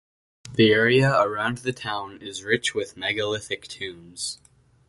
The area around the town is rich with megalithic tombs.